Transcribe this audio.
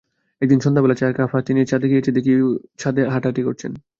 একদিন সন্ধ্যাবেলা চায়ের কাপ হাতে নিয়ে ছাদে গিয়েছি, দেখি উনি ছাদে হাঁটাহাঁটি করছেন।